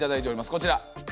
こちら。